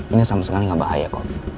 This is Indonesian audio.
ini sama sekali nggak bahaya kok